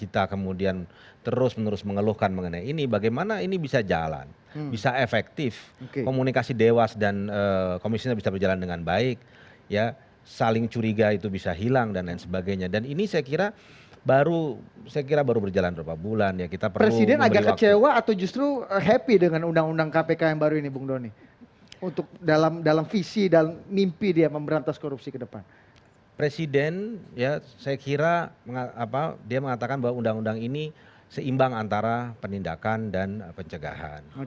terima kasih terima kasih